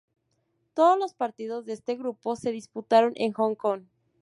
Todos los partidos de este grupo se disputaron en Hong Kong.